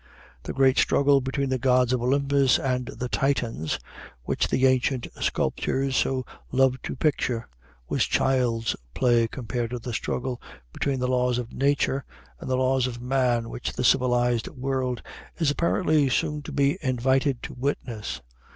The great struggle between the gods of Olympus and the Titans, which the ancient sculptors so loved to picture, was child's play compared with the struggle between the laws of nature and the laws of man which the civilized world is apparently soon to be invited to witness.